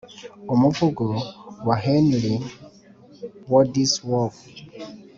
umuvugo wa henry wadsworth